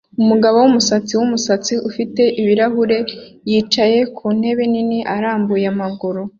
Umugabo wumusatsi wumushatsi ufite ibirahuri yicaye ku ntebe nini arambuye amaguru